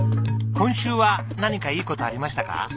今週は何かいい事ありましたか？